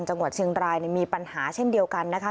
จังหวัดเชียงรายมีปัญหาเช่นเดียวกันนะคะ